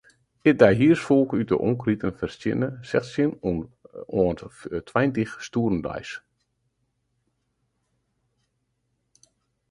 It deihiersfolk út 'e omkriten fertsjinne sechstjin oant tweintich stoeren deis.